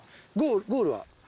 ゴールは？